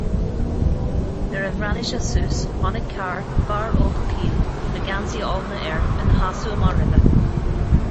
Nuair a bhreathnaigh sé suas, chonaic Carr fear óg caol le geansaí olna air ina sheasamh amach roimhe.